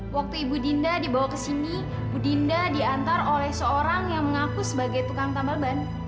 waktu ibu dinda dibawa ke sini ibu dinda diantar oleh seorang yang mengaku sebagai tukang tambal ban